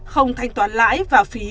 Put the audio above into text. không thành toán lãi và phí